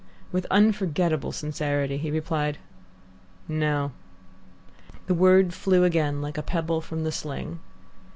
With unforgettable sincerity he replied, "No." The word flew again like a pebble from the sling.